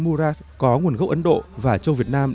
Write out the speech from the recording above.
muras có nguồn gốc ấn độ và châu việt nam